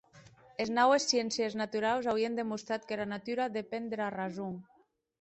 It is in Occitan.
Es naues sciéncies naturaus auien demostrat qu'era natura depen dera rason.